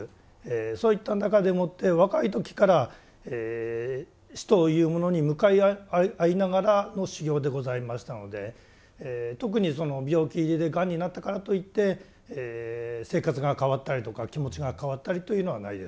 そういった中でもって若い時から死というものに向かい合いながらの修行でございましたので特にその病気でがんになったからといって生活が変わったりとか気持ちが変わったりというのはないです。